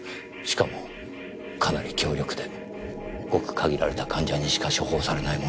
しかもかなり強力でごく限られた患者にしか処方されないものです。